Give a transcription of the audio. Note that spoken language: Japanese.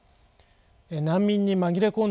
難民に紛れ込んだ